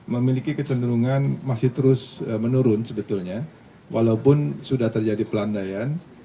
memiliki kecenderungan masih terus menurun sebetulnya walaupun sudah terjadi pelandaian